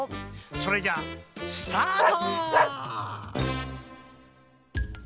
それじゃあスタート！